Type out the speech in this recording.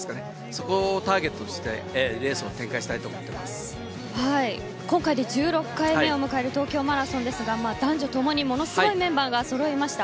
そこをターゲットにしてレースを展開したいと今回で１６回目の東京マラソンですが男女ともにものすごいメンバーがそろいました。